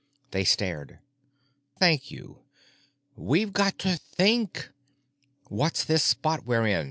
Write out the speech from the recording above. They stared. "Thank you. We've got to think. What's this spot we're in?